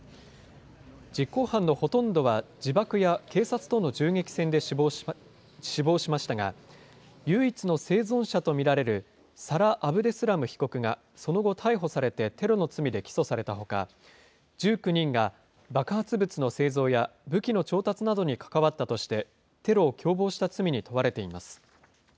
実行犯のほとんどは、自爆や警察との銃撃戦で死亡しましたが、唯一の生存者と見られるサラ・アブデスラム被告がその後、逮捕されてテロの罪で起訴されたほか、１９人が爆発物の製造や、武器の調達などに関わったとして、テロを共謀した罪に問われています。